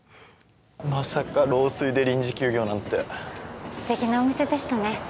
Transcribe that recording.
まさか漏水で臨時休業なんて素敵なお店でしたね